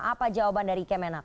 apa jawaban dari kemenat